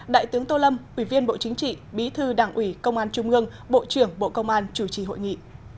đại tướng tô lâm ủy viên bộ chính trị bí thư đảng ủy công an trung ương bộ trưởng bộ công an chủ trì hội nghị